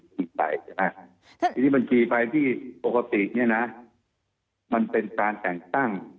คิดว่าเกียรติภัยที่ปกติเนี่ยนะมันเป็นการแต่งตั้ง